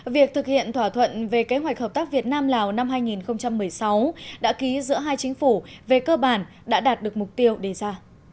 việc thực hiện thỏa thuận về kế hoạch hợp tác việt nam lào năm hai nghìn một mươi sáu đã ký giữa hai chính phủ về cơ bản đã đạt được mục tiêu đề ra